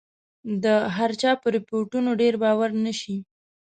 د هرچا په رپوټونو ډېر باور نه شي.